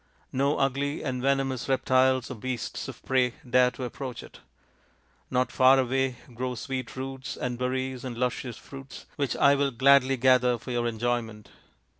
No ugly and venomous reptiles or beasts of prey dare to approach it. Not far away grow sweet roots and berries and luscious fruits, which I will gladly gather for your enjoyment.